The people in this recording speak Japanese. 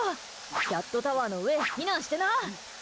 キャットタワーの上避難してな！